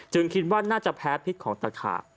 คิดว่าน่าจะแพ้พิษของตะขาบ